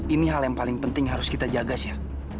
ini hal yang paling penting harus kita jaga sya